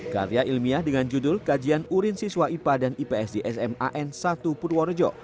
karya ilmiah dengan judul kajian urin siswa ipa dan ips di sman satu purworejo